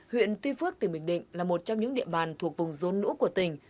huyện tuy phước từ bình định là một trong những địa bàn thuộc vùng rôn lũ của tỉnh